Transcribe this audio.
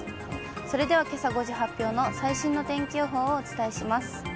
それではけさ５時発表の最新の天気予報をお伝えします。